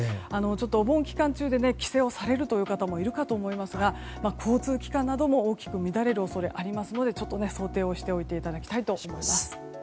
お盆期間中で帰省をされる方もいるかと思いますが交通機関なども大きく乱れる恐れがありますので想定していただきたいと思います。